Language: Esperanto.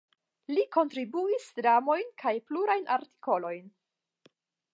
Li kontribuis dramojn kaj plurajn artikolojn.